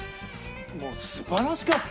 もう素晴らしかった！